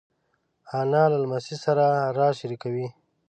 انا له لمسۍ سره راز شریکوي